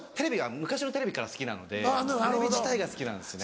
昔のテレビから好きなのでテレビ自体が好きなんですよね。